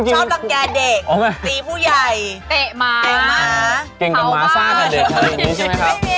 ชอบลังจารย์เด็กตีผู้ใหญ่เตะม้าเก่งกับม้าซ่าก่อเด็กอะไรแบบนี้ใช่ไหมครับ